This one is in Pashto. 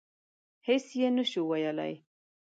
هېڅ یې نه شو ویلای.